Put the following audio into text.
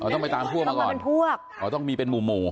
อ๋อต้องไปตามพวกมาก่อนอ๋อต้องมีเป็นหมู่